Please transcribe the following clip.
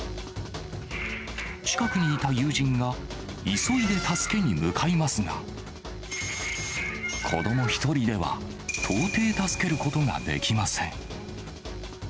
近くにいた友人が、急いで助けに向かいますが、子ども１人では到底助けることができません。